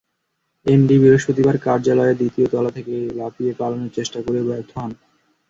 MD বৃহস্পতিবার কার্যালয়ের দ্বিতীয় তলা থেকে লাফিয়ে পালানোর চেষ্টা করেও ব্যর্থ হন।